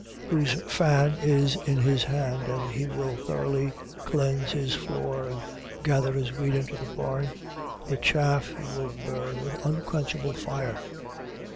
3:12. Whose fan is in his hand, and he will thoroughly cleanse his floor and gather his wheat into the barn; but the chaff he will burn with unquenchable fire.